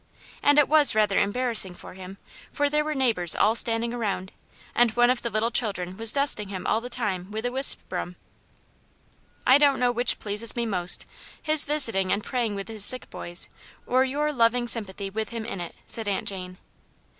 And it was rather embarrassing for him, for there were neigh bours all standing around, and one of the little children was dusting him all the time with a wisp broom !"" I don't know which pleases me most, his visiting and praying with his sick boys, or your loving sym pathy with him in it," said Aunt Jane.